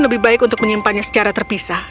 tapi lebih baik untuk menjaga ibu peri secara berbeda